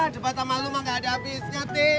sama lu mah gak ada abisnya tis